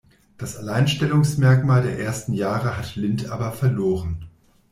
Das Alleinstellungsmerkmal der ersten Jahre hat Lint aber verloren.